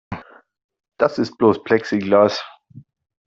Das ist bloß Plexiglas.